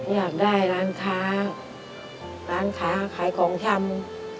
อยากได้ร้านค้าร้านค้าขายของชำ